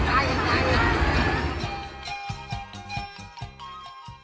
มาแล้วครับพี่น้อง